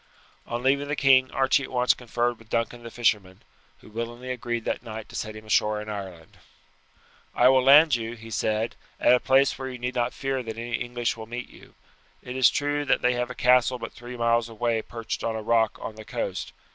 On leaving the king Archie at once conferred with Duncan the fisherman, who willingly agreed that night to set him ashore in Ireland. "I will land you," he said, "at a place where you need not fear that any English will meet you. It is true that they have a castle but three miles away perched on a rock on the coast.